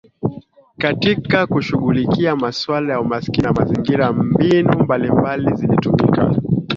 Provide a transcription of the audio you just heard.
Katika kushughulikia masuala ya umaskini na mazingira mbinu mbalimbali zilitumika